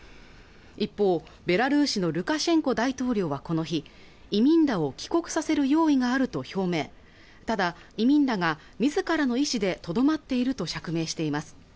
一方ベラルーシのルカシェンコ大統領はこの日移民らを帰国させる用意があると表明ただ移民らが自らの意思でとどまっていると釈明しています